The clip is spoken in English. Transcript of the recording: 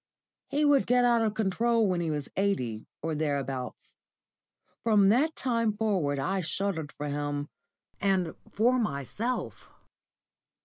He would get out of my control when he was eighty, or thereabouts. From that time forward I shuddered for him, and for myself.